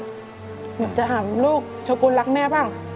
อยากจะถามลูกชุกุลรักแม่บ้าง